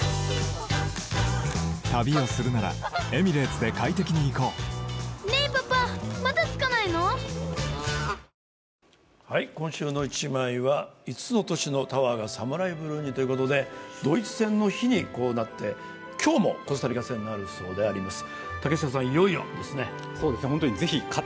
「プレコール」「今週の一枚」は５つの都市のタワーがサムライブルーにということでドイツ戦の日にこうなって、今日もコスタリカ戦があるそうであります。